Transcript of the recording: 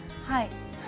はい。